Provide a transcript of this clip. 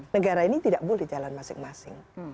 negara ini tidak boleh jalan masing masing